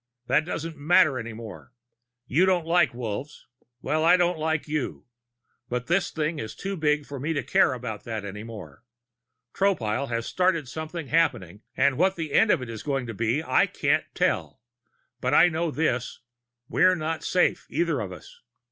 That doesn't matter any more. You don't like Wolves. Well, I don't like you. But this thing is too big for me to care about that any more. Tropile has started something happening, and what the end of it is going to be, I can't tell. But I know this: We're not safe, either of us.